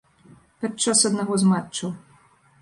Падчас аднаго з матчаў.